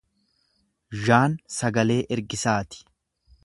Zyaan sagalee ergisaati.